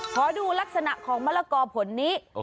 ขอดูลักษณะของมะละกอผลนี้